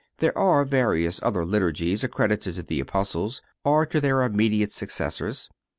There are various other Liturgies accredited to the Apostles or to their immediate successors.